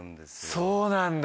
そうなんだ。